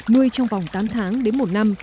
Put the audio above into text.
nuôi trong vòng tám tháng đến một năm